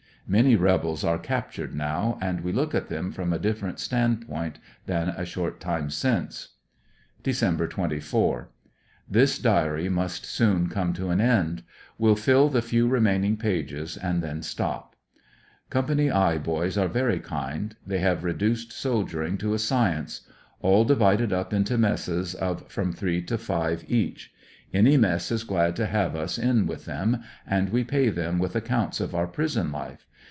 Many rebels are captured now, and we look at them from a different stand point than a short time since. Dec. 24. — This diary must soon come to an end. Will fill the few remaining pages and then stop. Co. 'T" boys are very kind. They have reduced soldiering to a science. All divided up into messes of from three to five each. Any mess is glad to have us in with them, and we pay them with accounts of our prison life.